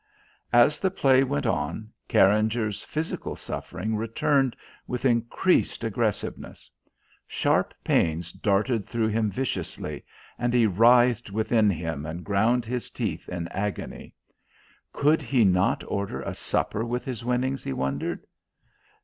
As the play went on Carringer's physical suffering returned with increased aggressiveness. Sharp pains darted through him viciously, and he writhed within him and ground his teeth in agony. Could he not order a supper with his winnings, he wondered?